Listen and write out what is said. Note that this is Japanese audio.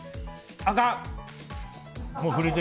あかん！